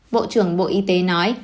bộ trưởng bộ y tế nói